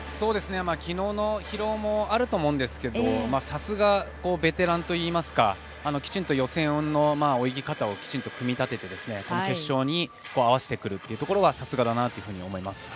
きのうの疲労もあると思うんですけどさすが、ベテランといいますかきちんと予選の泳ぎ方を組み立ててこの決勝に合わせてくるというところはさすがだなと思います。